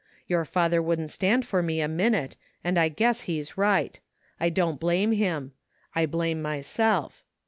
Your father wouldn't stand for me a minute, and I guess he's right. I don't blame him. I blame myself.